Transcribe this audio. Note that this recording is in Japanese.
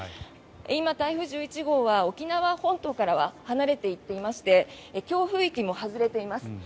今、台風１１号は沖縄本島から離れていっていまして強風域も外れています。